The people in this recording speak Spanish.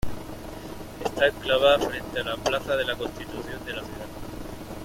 Está enclavada frente a la plaza de la Constitución de la ciudad.